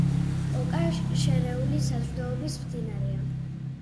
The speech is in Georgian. ოკა შერეული საზრდოობის მდინარეა.